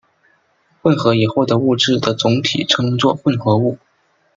混合以后的物质的总体称作混合物。